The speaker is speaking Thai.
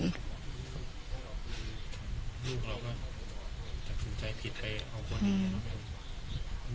ลูกเราก็จากคุณใจผิดไปเอาคนเดียวไป